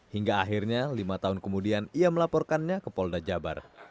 hingga akhirnya lima tahun kemudian ia melaporkannya ke polda jabar